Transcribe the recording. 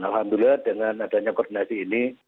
alhamdulillah dengan adanya koordinasi ini